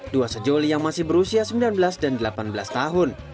dua sejoli yang masih berusia sembilan belas dan delapan belas tahun